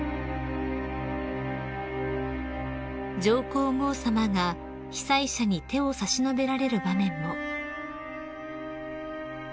［上皇后さまが被災者に手を差し伸べられる場面も］